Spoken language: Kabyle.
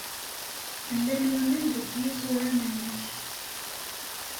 Llan waman deg yiẓuran-nnek.